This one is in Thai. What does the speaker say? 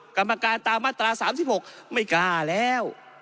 กรรมการตามมาตรา๓๖ไม่กล้าแล้ว